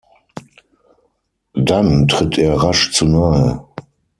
Dann tritt er rasch zu nahe.